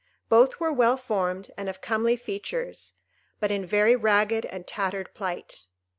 Both were well formed, and of comely features, but in very ragged and tattered plight.